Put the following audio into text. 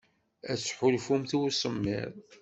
Ad tḥulfumt i usemmiḍ.